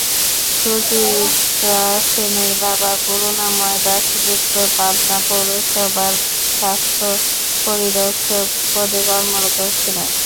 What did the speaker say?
সুচিত্রা সেনের বাবা করুণাময় দাশগুপ্ত পাবনা পৌরসভার স্বাস্থ্য পরিদর্শক পদে কর্মরত ছিলেন।